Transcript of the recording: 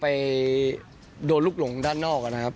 ไปโดนลูกหลงด้านนอกนะครับ